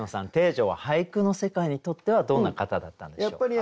汀女は俳句の世界にとってはどんな方だったんでしょうか？